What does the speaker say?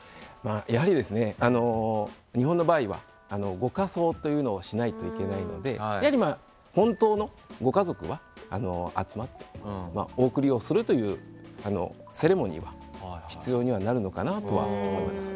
やはり、日本の場合はご火葬というのをしないといけないので本当のご家族は集まってお送りをするというセレモニーは必要になるのかなとは思います。